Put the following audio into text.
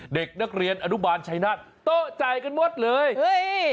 เด็กนักเรียนอนุบาลชัยนาฏโต๊ะใจกันหมดเลยเฮ้ย